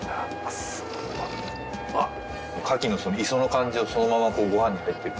牡蠣の磯の感じがそのままご飯に入ってる。